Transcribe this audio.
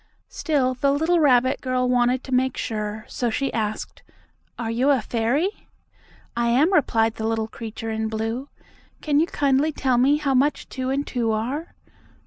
Still, the little rabbit girl wanted to make sure, so she asked: "Are you a fairy?" "I am," replied the little creature in blue. "Can you kindly tell me how much two and two are?"